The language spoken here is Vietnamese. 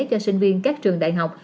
cho sinh viên các trường đại học